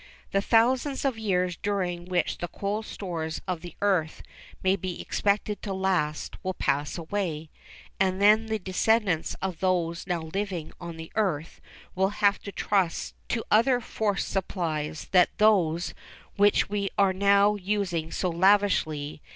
The thousands of years during which the coal stores of the earth may be expected to last will pass away, and then the descendants of those now living on the earth will have to trust to other force supplies than those which we are now using so lavishly.